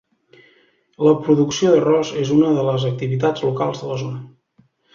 La producció d'arròs és una de les activitats locals de la zona.